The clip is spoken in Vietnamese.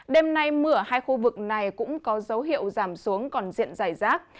đêm nay mưa ở hai khu vực này cũng có dấu hiệu giảm xuống còn diện dài rác